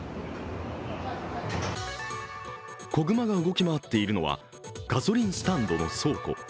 子熊が動き回っているのはガソリンスタンドの倉庫。